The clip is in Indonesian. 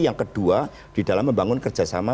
yang kedua di dalam membangun kerjasama